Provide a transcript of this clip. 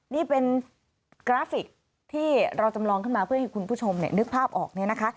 นี่เป็นกราฟิกที่เราจำลองขึ้นมาเพื่อให้คุณผู้ชมนึกภาพออกเนี่ยนะคะ